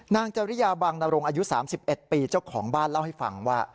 จริยาบังนรงอายุ๓๑ปีเจ้าของบ้านเล่าให้ฟังว่า